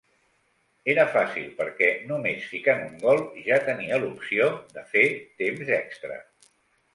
Era fàcil perquè, només ficant un gol, ja tenia l'opció de fer temps extra.